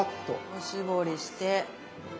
おしぼりして。